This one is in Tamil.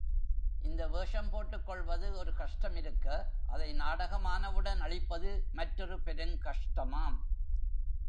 இந்த வேஷம் போட்டுக் கொள்வது ஒரு கஷ்டமிருக்க, அதை நாடகமானவுடன் அழிப்பது மற்றொரு பெருங் கஷ்டமாம்!